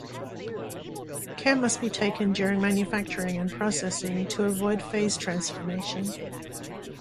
Care must be taken during manufacturing and processing to avoid phase transformation.